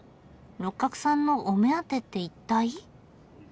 六角さんのお目当てって一体？